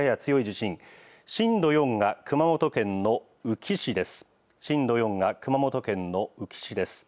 震度４が熊本県の宇城市です。